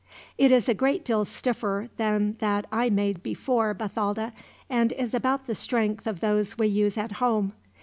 "It is a great deal stiffer than that I made before, Bathalda; and is about the strength of those we use at home.